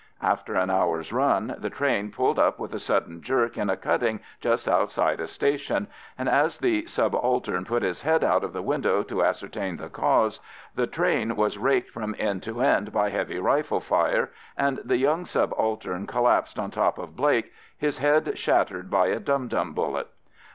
After an hour's run, the train pulled up with a sudden jerk in a cutting just outside a station, and as the subaltern put his head out of the window to ascertain the cause, the train was raked from end to end by heavy rifle fire, and the young subaltern collapsed on top of Blake, his head shattered by a dum dum bullet.